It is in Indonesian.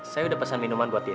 saya udah pesan minuman buat dia